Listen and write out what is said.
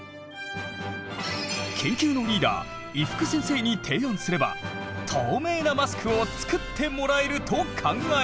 研究のリーダー伊福先生に提案すれば透明なマスクを作ってもらえると考えた。